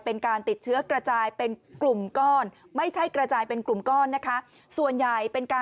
เป็นการติดเชื้อกระจายเป็นกลุ่มก้อนไม่ใช่กระจายเป็นกลุ่มก้อนนะคะ